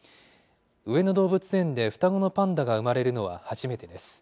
上野動物園で双子のパンダが生まれるのは、初めてです。